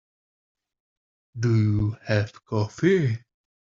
Do you have coffee?